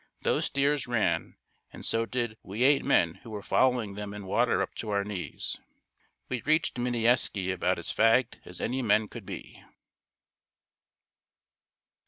Those steers ran and so did we eight men who were following them in water up to our knees. We reached Minnieski about as fagged as any men could be.